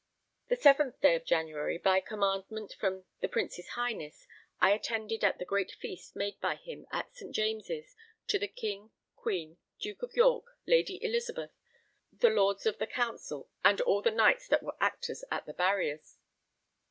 The 7th day of January, by commandment from the Prince's Highness, I attended at the great feast made by him at St. James's to the King, Queen, Duke of York, Lady Elizabeth, the Lords of the Council, and all the Knights that were actors at the barriers.